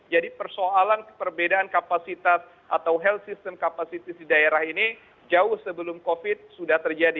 jadi persoalan perbedaan kapasitas atau health system kapasitas di daerah ini jauh sebelum covid sudah terjadi